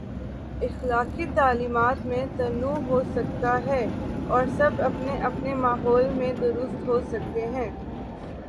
اخلاقی تعلیمات میں تنوع ہو سکتا ہے اور سب اپنے اپنے ماحول میں درست ہو سکتے ہیں۔